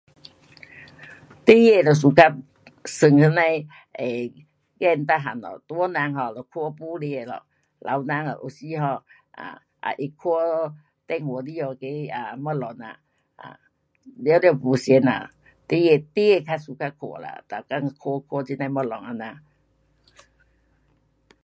孩儿就 suka 玩那样的 [um]game 每样咯。大人 um 就 suka 看报纸咯。老人 um 有时 um 啊，也会看电话里 um 那个东西啦。um 全部不同啦，孩儿，孩儿较 suka 看啦。每天看，看这样的东西这样。